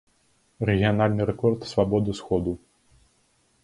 Рэгіянальны рэкорд свабоды сходу.